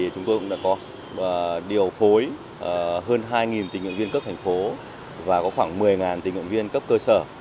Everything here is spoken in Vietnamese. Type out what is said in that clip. chúng tôi cũng đã có điều phối hơn hai tình nguyện viên cấp thành phố và có khoảng một mươi tình nguyện viên cấp cơ sở